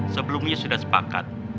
sebelumnya sudah sepakat